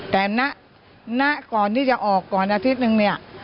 แต่ณก่อนที่จะออกก่อนอาทิตย์นึงเนี่ย